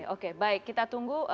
oke baik kita tunggu